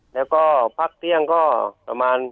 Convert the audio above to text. แล้วก็พักเตี้ยงก็ประมาณ๑๘๓๐